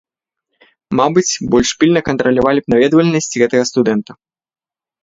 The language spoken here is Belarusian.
Мабыць, больш пільна кантралявалі б наведвальнасць гэтага студэнта.